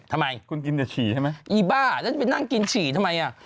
ทำไมคุณกินแต่ฉี่ใช่ไหมบ้านั่งกินฉี่ทำไม